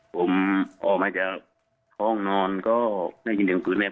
ผมออกมาจากห้องนอนก็ได้ยินเสียงปืนแล้ว